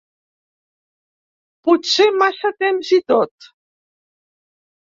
Potser massa temps i tot.